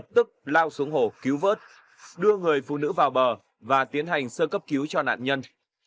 tức lao xuống hồ cứu vớt đưa người phụ nữ vào bờ và tiến hành sơ cấp cứu cho nạn nhân